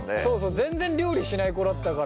全然料理しない子だったから。